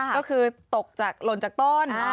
ก็คือตกลนจากต้น